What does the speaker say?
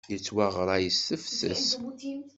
Yettwaɣray s tefses.